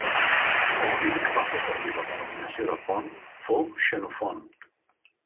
El primer que va fer servir la denominació de Pont fou Xenofont.